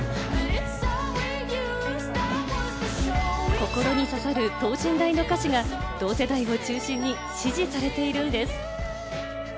心に刺さる等身大の歌詞が同世代を中心に支持されているんです。